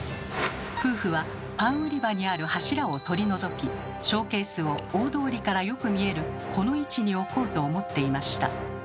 夫婦はパン売り場にある柱を取り除きショーケースを大通りからよく見えるこの位置に置こうと思っていました。